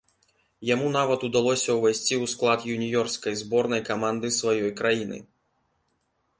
Яму нават удалося ўвайсці ў склад юніёрскай зборнай каманды сваёй краіны.